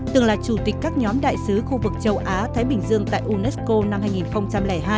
từng là chủ tịch các nhóm đại sứ khu vực châu á thái bình dương tại unesco năm hai nghìn hai